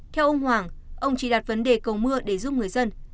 theo ông hoàng ông chỉ đặt vấn đề cầu mưa để giúp người dân